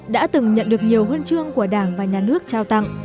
đã từng nhận được nhiều huân chương của đảng và nhà nước trao tặng